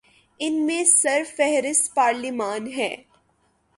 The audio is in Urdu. ان میں سر فہرست پارلیمان ہے۔